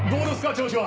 調子は。